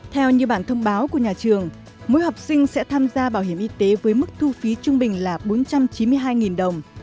theo như bản thông báo của nhà trường mỗi học sinh sẽ tham gia bảo hiểm y tế với mức thu phí trung bình là bốn trăm chín mươi hai đồng